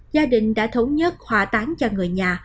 gia đình đã thống nhất hòa tán cho người nhà